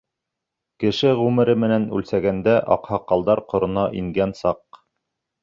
Кеше ғүмере менән үлсәгәндә, аҡһаҡалдар ҡорона ингән саҡ.